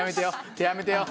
手やめてよ。